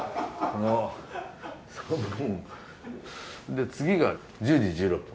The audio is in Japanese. で次が１０時１６分。